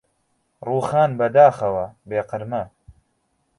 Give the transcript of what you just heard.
ڕووخان بەداخەوە بێ قرمە